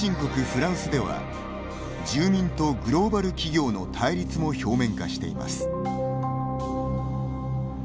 フランスでは住民とグローバル企業の対立も表面化しています。